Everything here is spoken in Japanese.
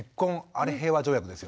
あれ平和条約ですよね。